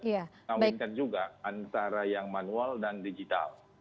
namun kan juga antara yang manual dan digital